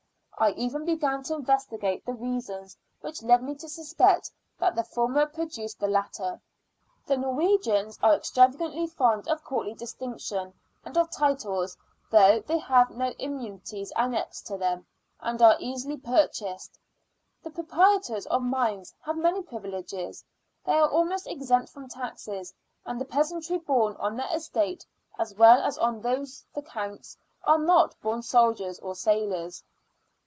I even began to investigate the reason, which led me to suspect that the former produced the latter. The Norwegians are extravagantly fond of courtly distinction, and of titles, though they have no immunities annexed to them, and are easily purchased. The proprietors of mines have many privileges: they are almost exempt from taxes, and the peasantry born on their estates, as well as those on the counts', are not born soldiers or sailors.